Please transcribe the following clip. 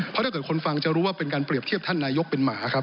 เพราะถ้าเกิดคนฟังจะรู้ว่าเป็นการเปรียบเทียบท่านนายกเป็นหมาครับ